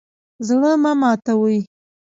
زړه مه ماتوئ